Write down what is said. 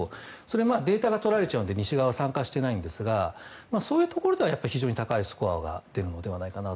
データがとられちゃうので西側は参加していないんですが非常に高いスコアが出るのではないかなと。